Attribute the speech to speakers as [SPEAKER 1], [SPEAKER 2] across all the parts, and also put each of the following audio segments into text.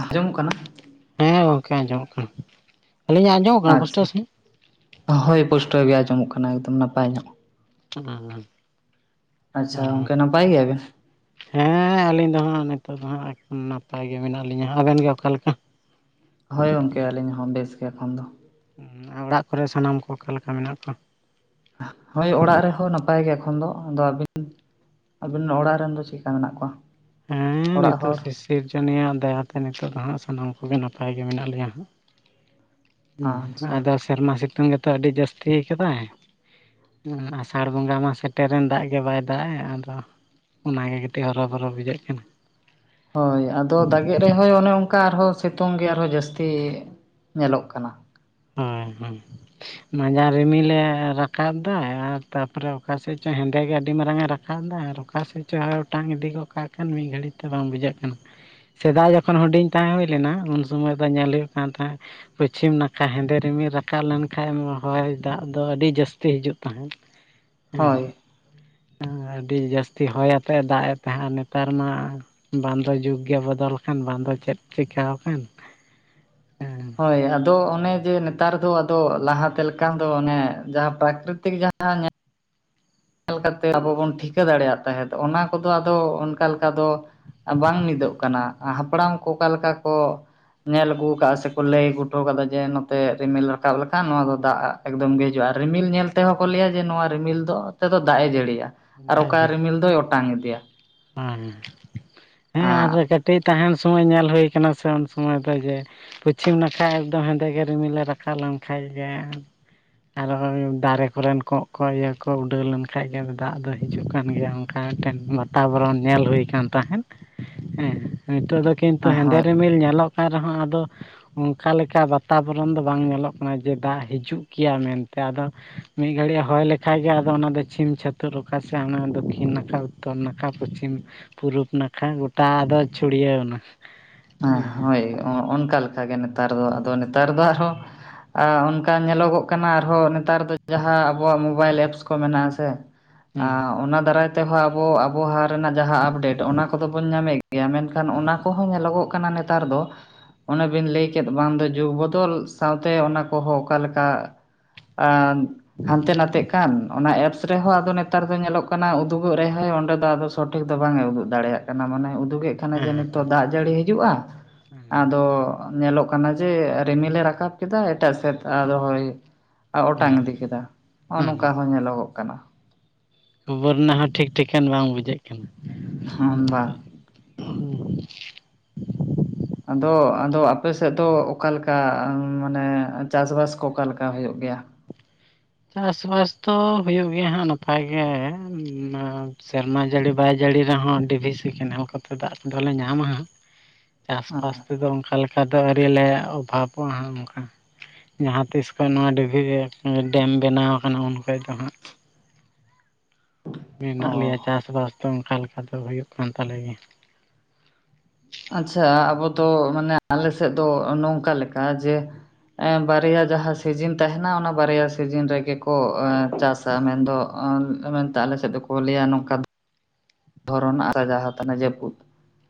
[SPEAKER 1] ᱟᱸᱡᱚᱢᱚᱜ ᱠᱟᱱᱟ?
[SPEAKER 2] ᱦᱮᱸ ᱜᱚᱢᱠᱮ ᱟᱸᱡᱚᱢᱚᱜ ᱠᱟᱱᱟ ᱟᱹᱞᱤ ᱧᱟᱜᱼᱼ
[SPEAKER 1] ᱟᱪᱪᱷᱟ ᱦᱳᱭ ᱯᱩᱥᱴᱟᱹᱣ ᱜᱮ ᱟᱸᱡᱚᱢᱚᱜ ᱠᱟᱱᱟ ᱮᱠᱫᱚᱢ ᱱᱟᱯᱟᱭ ᱧᱚᱜ᱾
[SPEAKER 2] [unintelligible]
[SPEAKER 1] ᱟᱪᱪᱷᱟ ᱜᱚᱝᱠᱮ ᱱᱟᱯᱟᱭ ᱜᱮᱭᱟᱵᱮᱱ?
[SPEAKER 2] ᱦᱮᱸ ᱟᱹᱞᱤᱧ ᱫᱚ ᱦᱟᱸᱜ ᱱᱤᱛᱚᱜ ᱫᱚ ᱦᱟᱸᱜ ᱮᱠᱷᱚᱱ ᱱᱟᱯᱟᱭ ᱜᱮ ᱢᱮᱱᱟᱜ ᱞᱤᱧᱟᱹ ᱟᱵᱮᱱ ᱜᱮ ᱚᱠᱟ ᱞᱮᱠᱟ?
[SPEAKER 1] ᱦᱳᱭ ᱜᱚᱝᱠᱮ ᱟᱹᱞᱤᱧ ᱦᱚᱸ ᱵᱮᱥ ᱜᱮ ᱮᱠᱷᱚᱱ ᱫᱚ᱾
[SPEAKER 2] ᱟᱨ ᱚᱲᱟᱜ ᱠᱚᱨᱮ ᱥᱟᱱᱟᱢ ᱠᱚ ᱚᱠᱟᱞᱮᱠᱟ ᱢᱮᱱᱟᱜ ᱠᱚᱣᱟ?
[SPEAKER 1] ᱦᱳᱭ ᱚᱲᱟᱜ ᱨᱮᱦᱚᱸ ᱱᱟᱯᱟᱭ ᱜᱮ ᱮᱠᱷᱚᱱ ᱫᱚ ᱟᱫᱚ ᱟᱹᱵᱤᱱᱼᱼ ᱟᱵᱤᱱ ᱚᱲᱟᱜ ᱨᱮᱱ ᱫᱚ ᱪᱮᱫᱠᱟ ᱢᱮᱱᱟᱜ ᱠᱚᱣᱟ?
[SPEAKER 2] ᱦᱮᱸ
[SPEAKER 1] ᱚᱲᱟᱜ
[SPEAKER 2] ᱱᱤᱛᱚᱜ
[SPEAKER 1] ᱦᱚᱲ
[SPEAKER 2] ᱥᱤ ᱥᱤᱨᱡᱚᱱᱤ ᱭᱟᱜ ᱫᱟᱭᱟᱛᱮ ᱱᱤᱛᱚᱜ ᱫᱚ ᱦᱟᱸᱜ ᱥᱟᱱᱟᱢ ᱠᱚᱜᱮ ᱱᱟᱯᱟᱭ ᱜᱮ ᱢᱮᱱᱟᱜ ᱞᱮᱭᱟ ᱦᱟᱸᱜ᱾ ᱦᱮᱸ
[SPEAKER 1] ᱟᱪᱪᱷᱟ
[SPEAKER 2] ᱟᱫᱚ ᱥᱮᱨᱢᱟ ᱥᱤᱛᱩᱝ ᱜᱮᱛᱚ ᱟᱹᱰᱤ ᱡᱟᱹᱥᱛᱤ ᱠᱟᱫᱟᱭ᱾ ᱟᱥᱟᱲ ᱵᱚᱸᱜᱟ ᱢᱟ ᱥᱮᱴᱮᱨᱮᱱ ᱫᱟᱜ ᱜᱮ ᱵᱟᱭ ᱫᱟᱜ ᱮ ᱟᱫᱚᱼᱼ ᱚᱱᱟᱜᱮ ᱠᱟᱹᱴᱤᱡ ᱦᱚᱨᱚ ᱦᱚᱨᱚ ᱵᱩᱡᱟᱹᱜ ᱠᱟᱱᱟ᱾
[SPEAKER 1] ᱦᱳᱭ ᱟᱫᱚ ᱫᱟᱜᱮᱜ ᱨᱮᱦᱚᱸᱭ ᱚᱱᱮ ᱚᱱᱠᱟ ᱟᱨᱦᱚᱸ ᱥᱤᱛᱩᱝ ᱜᱮ ᱟᱨᱦᱚᱸ ᱡᱟᱹᱥᱛᱤ ᱧᱮᱞᱚᱜ ᱠᱟᱱᱟ᱾
[SPEAKER 2] ᱦᱚᱢ ᱦᱚᱢ ᱢᱟᱸᱡᱟᱱ ᱨᱤᱢᱤᱞ ᱮ ᱨᱟᱠᱟᱵ ᱫᱟ ᱟᱨ ᱛᱟᱯᱚᱨᱮ ᱚᱠᱟᱥᱮᱫ ᱪᱚᱭ ᱦᱮᱸᱫᱮ ᱜᱮ ᱟᱹᱰᱤ ᱢᱟᱨᱟᱝ ᱮ ᱨᱟ᱾ ᱠᱟᱵ ᱫᱟ ᱟᱨ ᱚᱠᱟ ᱥᱮᱫ ᱪᱚ ᱚᱴᱟᱝ ᱤᱫᱤ ᱜᱚᱫ ᱠᱟᱜ ᱠᱷᱟᱱ ᱢᱤᱫ ᱜᱷᱟᱹᱲᱤᱡ ᱛᱮ ᱵᱟᱝ ᱵᱩᱡᱷᱟᱹᱜ ᱠᱟᱱᱟ᱾ ᱥᱮᱫᱟᱭ ᱡᱚᱠᱷᱚᱱ ᱦᱩᱰᱤᱧ ᱛᱟᱦᱮᱸ ᱦᱩᱭ ᱞᱮᱱᱟ ᱩᱱ ᱥᱩᱢᱚᱭ ᱫᱚ ᱧᱮᱞ ᱦᱩᱭᱩᱜ ᱠᱟᱱ ᱛᱟᱦᱮᱸᱫ ᱯᱷᱚᱹᱪᱷᱤᱢ ᱱᱟᱠᱷᱼᱼ ᱦᱮᱸᱫᱮ ᱨᱤᱢᱤᱞ ᱨᱟᱠᱟᱵ ᱞᱮᱱ ᱠᱷᱟᱡ ᱱᱚᱭᱟ ᱦᱚᱭ ᱫᱟᱜ ᱫᱚ ᱟᱹᱰᱤ ᱡᱟᱹᱥᱛᱤ ᱦᱤᱡᱩᱜ ᱛᱟᱦᱮᱸᱫ᱾
[SPEAKER 1] ᱦᱳᱭ
[SPEAKER 2] ᱦᱮᱸ ᱟᱹᱰᱤ ᱡᱟᱹᱥᱛᱤ ᱦᱚᱭ ᱟᱛᱮ ᱫᱟᱜ ᱮ ᱛᱟᱦᱮᱸᱫ ᱱᱮᱛᱟᱨ ᱢᱟᱼᱼ ᱵᱟᱝᱫᱚ ᱡᱩᱜᱽ ᱜᱮ ᱵᱚᱫᱚᱞ ᱟᱠᱟᱱ ᱵᱟᱝᱫᱚ ᱪᱮᱫ ᱪᱤᱠᱟᱣ ᱠᱟᱱ᱾
[SPEAKER 1] [inaudible] ᱦᱟᱭ ᱟᱫᱚ ᱚᱱᱮ ᱡᱮ ᱱᱮᱛᱟᱨ ᱫᱚ ᱟᱫᱚ ᱞᱟᱦᱟᱛᱮ ᱞᱮᱠᱟᱱ ᱫᱚ ᱚᱱᱮ ᱡᱟᱦᱟᱸ ᱯᱨᱟᱠᱨᱤᱛᱤᱠ ᱡᱟᱦᱟᱸᱼᱼ ᱧᱮᱞ ᱠᱟᱛᱮ ᱟᱵᱚ ᱵᱚᱱ ᱴᱷᱤᱠᱟᱹ ᱫᱟᱲᱮᱭᱟᱜ ᱛᱟᱦᱮᱸᱫ ᱚᱱᱟ ᱠᱚᱫᱚ ᱟᱫᱚ ᱚᱱᱠᱟ ᱞᱮᱠᱟ ᱫᱚᱼᱼ ᱵᱟᱝ ᱢᱤᱫᱚᱜ ᱠᱟᱱᱟ ᱦᱟᱯᱲᱟᱢ ᱠᱚ ᱚᱠᱟ ᱞᱮᱠᱟ ᱠᱚᱼᱼ ᱧᱮᱞ ᱟᱹᱜᱩ ᱟᱠᱟᱫᱼᱟ ᱥᱮᱠᱚ ᱞᱟᱹᱭ ᱟᱹᱜᱩ ᱦᱚᱴᱚ ᱟᱠᱟᱫᱟ ᱡᱮ ᱱᱚᱛᱮ ᱨᱤᱢᱤᱞ ᱨᱟᱠᱟᱵ ᱞᱮᱠᱷᱟᱱ ᱱᱚᱣᱟ ᱫᱚ ᱫᱟᱜ ᱟᱜ ᱮᱠᱫᱚᱢ ᱜᱮ ᱦᱤᱡᱩᱜᱼᱟ ᱟᱨ ᱨᱤᱢᱤᱞ ᱧᱮᱞ ᱛᱮᱦᱚᱸ ᱠᱚ ᱞᱟᱹᱭᱟ ᱡᱮ ᱱᱚᱣᱟ ᱨᱤᱢᱤᱞ ᱫᱚ, ᱛᱮᱫᱚ ᱫᱟᱜ ᱮ ᱡᱟᱹᱲᱤᱭᱟ ᱟᱨ ᱚᱠᱟ ᱨᱤᱢᱤᱞ ᱫᱚᱭ ᱚᱴᱟᱝ ᱤᱫᱤᱭᱟ᱾
[SPEAKER 2] ᱦᱮᱸ ᱦᱮᱸ ᱦᱮᱸ ᱟᱨ ᱠᱟᱹᱴᱤᱡ ᱛᱟᱦᱮᱱ ᱥᱚᱢᱚᱭ ᱧᱮᱞ ᱦᱩᱭ ᱠᱟᱱᱟ ᱥᱮ ᱩᱱ ᱥᱚᱢᱚᱭ ᱫᱚ ᱡᱮ ᱯᱟᱹᱪᱷᱤᱢ ᱱᱟᱠᱷᱟ ᱮᱠᱫᱚᱢ ᱦᱮᱸᱫᱮ ᱜᱮ ᱨᱤᱢᱤᱞ ᱮ ᱨᱟᱠᱟᱵ ᱞᱮᱱᱠᱷᱟᱡ ᱜᱮ ᱟᱨᱚ ᱫᱟᱨᱮ ᱠᱚᱨᱮᱱ ᱠᱚᱸᱜ ᱠᱚ ᱤᱭᱟᱹ ᱠᱚ ᱩᱰᱟᱹᱣ ᱞᱮᱱᱠᱷᱟᱡ ᱜᱮ ᱫᱟᱜ ᱫᱚ ᱦᱤᱡᱩᱜ ᱠᱟᱱ ᱜᱮᱭᱟ ᱚᱱᱠᱟ ᱢᱮᱫᱴᱮᱱ ᱛᱟᱵᱚᱨᱚᱱ ᱧᱮᱞ ᱦᱩᱭ ᱠᱟᱱ ᱛᱟᱦᱮᱸᱫ ᱦᱮᱸ ᱱᱤᱛᱚᱜ ᱫᱚ ᱠᱤᱱᱛᱩ ᱦᱮᱸᱫᱮ
[SPEAKER 1] ᱦᱳᱭ
[SPEAKER 2] ᱨᱤᱢᱤᱞ ᱧᱮᱞᱚᱜ ᱠᱟᱱ ᱨᱮᱦᱚᱸ ᱟᱫᱚ ᱚᱱᱠᱟ ᱞᱮᱠᱟ ᱵᱟᱛᱟᱵᱚᱨᱚᱱ ᱫᱚ ᱵᱟᱝ ᱧᱮᱞᱚᱜ ᱠᱟᱱᱟ ᱡᱮ ᱫᱟᱜ ᱦᱤᱡᱩᱜ ᱜᱮᱭᱟ ᱢᱮᱱᱛᱮ ᱟᱫᱚ ᱢᱤᱫ ᱜᱷᱟᱹᱲᱤᱡ ᱦᱚᱭ ᱞᱮᱠᱷᱟᱡ ᱜᱮ ᱟᱫᱚ ᱚᱱᱟ ᱫᱚ ᱪᱷᱤᱢ ᱪᱷᱟᱹᱛᱟᱹᱨ ᱚᱠᱟ ᱥᱮ ᱚᱱᱟ ᱫᱚᱠᱠᱷᱤᱱ ᱱᱟᱠᱷᱟ ᱩᱛᱛᱚᱨ ᱱᱟᱠ ᱠᱷᱟ ᱯᱚᱪᱷᱤᱢ ᱯᱩᱨᱩᱵ ᱱᱟᱠᱷᱟ ᱜᱚᱴᱟ ᱟᱫᱚ ᱪᱷᱩᱲᱭᱟᱹᱣ ᱱᱟ
[SPEAKER 1] ᱟ ᱦᱳᱭ ᱚᱱᱠᱟ ᱞᱮᱠᱟᱜᱮ ᱱᱮᱛᱟᱨ ᱫᱚ ᱟᱫᱚ ᱱᱮᱛᱟᱨ ᱫᱚ ᱟᱨᱦᱚᱸ ᱟ ᱚᱱᱠᱟ ᱧᱮᱞᱚᱜᱚᱜ ᱠᱟᱱᱟ ᱟᱨᱦᱚᱸ ᱱᱮᱛᱟᱨ ᱫᱚ ᱡᱟᱦᱟᱸ ᱟᱵᱚᱣᱟᱜ ᱢᱳᱵᱟᱭᱤᱞ ᱮᱯᱥ ᱠᱚ ᱢᱮᱱᱟᱜᱼᱟ ᱥᱮ ᱟ
[SPEAKER 2] ᱦᱮᱸ
[SPEAKER 1] ᱚᱱᱟ ᱫᱟᱨᱟᱭ ᱛᱮᱦᱚᱸ ᱟᱵᱚ ᱟᱵᱚᱦᱟᱣᱟ ᱨᱮᱱᱟᱜ ᱡᱟᱦᱟᱸ ᱟᱯᱰᱮᱴ ᱚᱱᱟ ᱠᱚᱫᱚ ᱵᱚᱱ ᱧᱟᱢᱮᱫ ᱜᱮᱭᱟ ᱢᱮᱱᱠᱷᱟᱱ ᱚᱱᱟ ᱠᱚᱦᱚᱸ ᱧᱮᱞᱚᱜᱚᱜ ᱠᱟᱱᱟ ᱱᱮᱛᱟᱨ ᱫᱚ ᱚᱱᱮᱵᱤᱱ ᱞᱟᱹᱭ ᱠᱮᱫ ᱵᱟᱝ ᱫᱚ ᱡᱩᱜᱽ ᱵᱚᱫᱚᱞ ᱥᱟᱶᱛᱮ ᱚᱱᱟ ᱠᱚᱦᱚᱸ ᱚᱠᱟᱞᱮᱠᱟ ᱟ ᱦᱟᱱᱛᱮ ᱱᱟᱛᱮᱜ ᱠᱟᱱ ᱚᱱᱟ ᱮᱯᱥ ᱨᱮᱦᱚᱸ ᱟᱫᱚ ᱱᱮᱛᱟᱨ ᱫᱚ ᱧᱮᱞᱚᱜ ᱠᱟᱱᱟ ᱩᱫᱩᱜᱚᱜ ᱨᱮᱦᱚᱸ ᱚᱸᱰᱮ ᱫᱚ ᱟᱫᱚ ᱥᱚᱴᱷᱤᱠ ᱫᱚ ᱵᱟᱝ ᱮ ᱩᱫᱩᱜ ᱫᱟᱲᱮᱭᱟᱜ ᱠᱟᱱᱟ ᱢᱟᱱᱮ ᱩᱫᱩᱜᱮᱜ- ᱠᱟᱱᱟ ᱡᱮ
[SPEAKER 2] ᱦᱮᱸ
[SPEAKER 1] ᱱᱤᱛᱚᱜ ᱫᱟᱜ ᱡᱟᱹᱲᱤ ᱦᱤᱡᱩᱜᱼᱟ
[SPEAKER 2] ᱦᱮᱸ
[SPEAKER 1] ᱟᱫᱚ ᱧᱮᱞᱚᱜ ᱠᱟᱱᱟ ᱡᱮ ᱨᱤᱢᱤᱞᱮ ᱨᱟᱠᱟᱵ ᱠᱮᱫᱟ ᱮᱴᱟᱜ ᱥᱮᱫ ᱟᱫᱚ ᱦᱳᱭ ᱟᱨ
[SPEAKER 2] ᱦᱮᱸ
[SPEAKER 1] ᱚᱴᱟᱝ
[SPEAKER 2] ᱦᱮᱸ
[SPEAKER 1] ᱤᱫᱤ ᱠᱮᱫᱟ ᱦᱚᱜ
[SPEAKER 2] ᱦᱮᱸ
[SPEAKER 1] ᱱᱚᱝᱠᱟ ᱦᱚᱸ ᱧᱮᱞᱚᱜᱚᱜ ᱠᱟᱱᱟ
[SPEAKER 2] ᱵᱚᱨᱱᱟ ᱦᱚᱸ ᱴᱷᱤᱠ ᱴᱷᱤᱠᱟᱹᱱ ᱵᱟᱝ ᱵᱩᱡᱷᱟᱹᱜ ᱠᱟᱱᱟ
[SPEAKER 1] ᱦᱟ ᱵᱟᱝ
[SPEAKER 2] [inaudible]
[SPEAKER 1] ᱟᱫᱚ ᱟᱫᱚ ᱟᱯᱮᱥᱮᱫ ᱫᱚ ᱚᱠᱟᱞᱮᱠᱟ ᱢᱟᱱᱮ ᱪᱟᱥ ᱵᱟᱥ ᱠᱚ ᱚᱠᱟ ᱞᱮᱠᱟ ᱦᱩᱭᱩᱜ ᱜᱮᱭᱟ
[SPEAKER 2] ᱪᱟᱥᱵᱟᱥ ᱫᱚ ᱦᱩᱭᱩᱜ ᱜᱮᱭᱟ ᱦᱟᱸᱜ ᱱᱟᱯᱟᱭ ᱜᱮ ᱥᱮᱨᱢᱟ ᱡᱟᱹᱲᱤ ᱵᱟᱭ ᱡᱟᱹᱲᱤ ᱨᱮᱦᱚᱸ ᱰᱤ ᱵᱷᱤ ᱥᱤ ᱠᱮᱱᱮᱞ ᱠᱚᱛᱮ ᱫᱟᱜ ᱠᱚᱫᱚᱞᱮ ᱧᱟᱢᱟ ᱦᱟᱸᱜ
[SPEAKER 1] ᱦᱮ
[SPEAKER 2] ᱪᱟᱥᱵᱟᱥ ᱛᱮᱫᱚ ᱚᱱᱠᱟ ᱞᱮ ᱠᱟ ᱫᱚ ᱟᱹᱣᱨᱤᱞᱮ ᱚᱵᱷᱟᱵᱚᱜᱼᱟ ᱦᱟᱜ ᱚᱱᱠᱟ ᱡᱟᱦᱟᱸᱛᱤᱥ ᱠᱷᱚᱱ ᱱᱚᱣᱟ ᱰᱤ ᱵᱷᱤ ᱥᱤᱼ- ᱰᱮᱢ ᱵᱮᱱᱟᱣ ᱠᱟᱱᱟ ᱩᱱ ᱠᱷᱚᱡ ᱫᱚ ᱦᱟᱸᱜ
[SPEAKER 1] ᱚ
[SPEAKER 2] ᱢᱮᱱᱟᱜ ᱞᱮᱭᱟ ᱪᱟᱥᱼᱵᱟᱥ ᱫᱚ ᱚᱱᱠᱟ ᱞᱮᱠᱟ ᱫᱚ ᱦᱩᱭᱩᱜ ᱠᱟᱱ ᱛᱟᱞᱮ
[SPEAKER 1] ᱟᱪᱪᱷᱟ ᱟᱵᱚ ᱫᱚ ᱢᱟᱱᱮ ᱟᱞᱮ ᱥᱮᱫ ᱫᱚ ᱱᱚᱝᱠᱟ ᱞᱮᱠᱟ ᱡᱮ ᱮ ᱵᱟᱨᱭᱟ ᱡᱟᱦᱟᱸ ᱥᱤᱡᱤᱱ ᱛᱟᱦᱮᱱᱟ ᱚᱱᱟ ᱵᱟᱨᱭᱟ ᱥᱤᱡᱤᱱ ᱨᱮᱜᱮ ᱠᱚ ᱪᱟᱥ ᱢᱮᱱᱫᱚ ᱢᱮᱱᱛᱮ ᱟᱞᱮᱥᱮᱫ ᱫᱚᱠᱚ ᱞᱟᱹᱭᱟ ᱱᱚᱝᱠᱟ ᱫᱷᱚᱨᱚᱱᱟᱜ ᱨᱟᱡᱟᱣ ᱛᱟᱦᱮ ᱡᱟᱹᱯᱩᱫ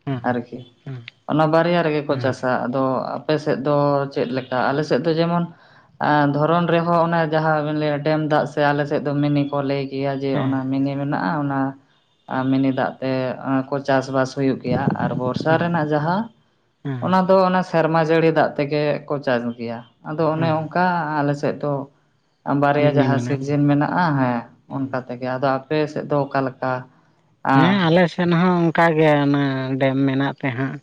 [SPEAKER 2] ᱦᱮᱸ
[SPEAKER 1] ᱟᱨᱠᱤ
[SPEAKER 2] ᱦᱮᱸ
[SPEAKER 1] ᱚᱱᱟ ᱵᱟᱨᱭᱟ ᱨᱮᱜᱮᱜᱜᱜᱷᱰᱜ ᱭᱱᱰ ᱵᱟᱱᱰ ᱷᱰᱷᱰᱷᱰᱜᱰᱠᱚ
[SPEAKER 2] ᱦᱮᱸ
[SPEAKER 1] ᱪᱟᱥᱟ ᱟᱫᱚ ᱟᱯᱮ ᱥᱮᱫ ᱫᱚ ᱪᱮᱫ ᱞᱮᱠᱟ ᱟᱞᱮ ᱥᱮᱫ ᱫᱚ ᱡᱮᱢᱚᱱ ᱟ ᱫᱷᱚᱨᱚᱱ ᱨᱮᱦᱚᱸ ᱚᱱᱟ ᱡᱟᱦᱟᱸᱵᱤᱱ ᱞᱟᱹᱭ ᱰᱮᱢ ᱫᱟᱜ ᱥᱮ ᱟᱞᱮᱥᱮᱫ ᱫᱚ ᱢᱤᱱᱤ ᱠᱚ ᱞᱟᱹᱭ ᱜᱮᱭᱟ ᱡᱮ
[SPEAKER 2] ᱦᱮᱸ
[SPEAKER 1] ᱚᱱᱟ
[SPEAKER 2] ᱦᱮᱸ
[SPEAKER 1] ᱢᱮᱱᱮ ᱢᱮᱱᱟᱜᱼᱟ ᱚᱱᱟ ᱟᱨ ᱢᱤᱱᱤ ᱫᱟᱜ ᱛᱮ ᱠᱚ ᱪᱟᱥ ᱵᱟᱥ ᱦᱩᱭᱩᱜ ᱜᱮᱭᱟ ᱟᱨᱵᱚᱨ ᱵᱚᱨᱥᱟ
[SPEAKER 2] ᱦᱮᱸ
[SPEAKER 1] ᱨᱮᱱᱟᱜ ᱡᱟᱦᱟᱸ
[SPEAKER 2] ᱦᱮᱸ
[SPEAKER 1] ᱚᱱᱟ ᱫᱚ ᱚᱱᱟ ᱥᱮᱨᱢᱟ ᱡᱟᱹᱲᱤ ᱫᱟᱜ ᱛᱮᱜᱮ ᱠᱚ ᱪᱟᱥ ᱜᱮᱭᱟ ᱟᱫᱚ ᱚᱱᱮ
[SPEAKER 2] ᱦᱮᱸ
[SPEAKER 1] ᱚᱱᱠᱟ ᱟᱞᱮ ᱥᱮᱫ ᱫᱚ ᱵᱟᱨᱭᱟ
[SPEAKER 2] ᱢᱤᱱᱤ
[SPEAKER 1] ᱡᱟᱦᱟᱸ
[SPEAKER 2] ᱢᱮᱱᱟᱜᱼᱟ
[SPEAKER 1] ᱥᱤᱨᱤᱡᱤᱱ ᱢᱮᱱᱟᱜᱼᱟ ᱦᱮᱸ
[SPEAKER 2] ᱦᱮᱸ
[SPEAKER 1] ᱚᱱᱠᱟ ᱛᱮᱜᱮ ᱟᱫᱚ ᱟᱯᱮ ᱥᱮᱫ ᱫᱚ ᱚᱠᱟᱞᱮᱠᱟ
[SPEAKER 2] ᱦᱮᱸ ᱟᱞᱮ ᱥᱮᱫ ᱦᱚᱸ ᱚᱱᱠᱟ ᱜᱮ ᱚᱱᱟ ᱰᱮᱢ ᱢᱮᱱᱟᱜ ᱛᱮ ᱦᱟᱸᱜ